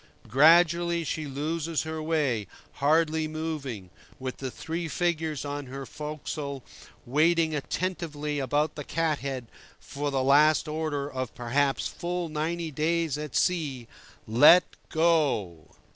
Gradually she loses her way, hardly moving, with the three figures on her forecastle waiting attentively about the cat head for the last order of, perhaps, full ninety days at sea: "Let go!"